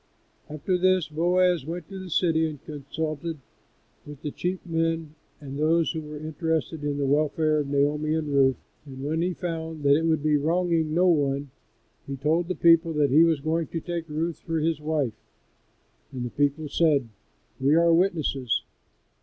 After this Boaz went to the city and consulted with the chief men and those that were interested in the welfare of Naomi and Ruth, and when he found that it would be wronging no one, he told the people that he was going to take Ruth for his wife, and the people said, "We are witnesses."